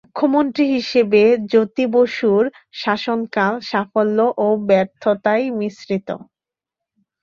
মুখ্যমন্ত্রী হিসেবে জ্যোতি বসুর শাসনকাল সাফল্য ও ব্যর্থতায় মিশ্রিত।